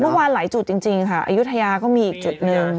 เมื่อวานหลายจุดจริงค่ะอายุทยาก็มีอีกจุดหนึ่ง